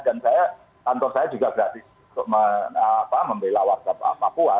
dan kantor saya juga gratis untuk membela warga papua